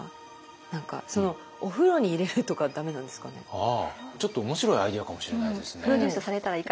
何かそのちょっと面白いアイデアかもしれないですね。